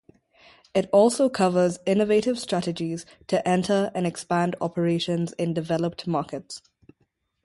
It also covers innovative strategies to enter and expand operations in developed markets.